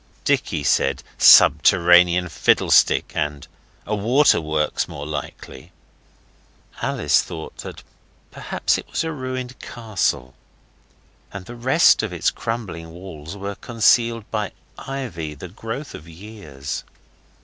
Dicky said, 'Subterranean fiddlestick!' and 'A waterworks, more likely.' Alice thought perhaps it was a ruined castle, and the rest of its crumbling walls were concealed by ivy, the growth of years.